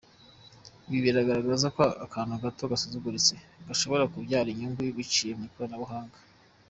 Ibi bigaragaza ko akantu gato gasuzuguritse gashobora kubyara inyungu biciye mu ikoranabuhanga.